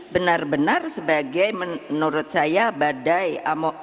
benar benar sebagai menurut saya badai